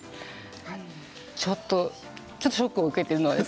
ちょっとショックを受けています。